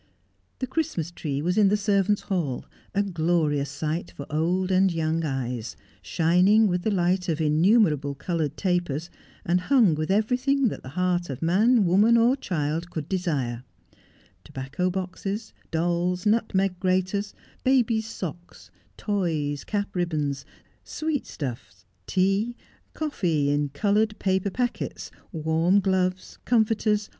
The Christmas tree was in the servants' ball, a glorious sight for old and young eyes, shining with the light of in numerable coloured tapers, and hung with everything that the heart of man, woman, or child could desire — tobacco boxes, dolls, nutmeg graters, babies' socks, toys, cap ribbons, sweetstuff, tea, coffee, in coloured paper packets, wai*m gloves, comforters, Christmas at Tangley Manor.